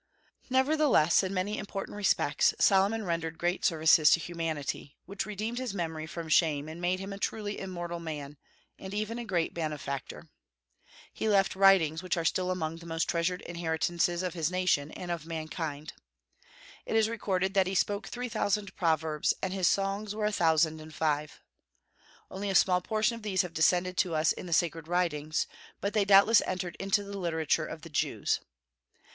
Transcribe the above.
Nevertheless, in many important respects Solomon rendered great services to humanity, which redeemed his memory from shame and made him a truly immortal man, and even a great benefactor. He left writings which are still among the most treasured inheritances of his nation and of mankind. It is recorded that he spoke three thousand proverbs, and his songs were a thousand and five. Only a small portion of these have descended to us in the sacred writings, but they doubtless entered into the literature of the Jews.